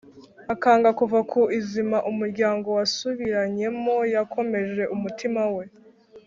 akanga kuva ku izima umuryango wasubiranyemo; yakomeje umutima we,